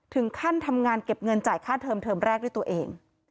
ถึงขั้นทำงานเก็บเงินจ่ายค่าเทอมแรกด้วยตัวเอง